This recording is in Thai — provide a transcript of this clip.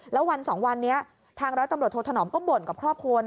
แล้ววันสองวันนี้ทางร้อยตำรวจโทษธนอมก็บ่นกับครอบครัว